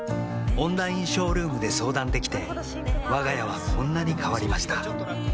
オンラインショールームで相談できてわが家はこんなに変わりました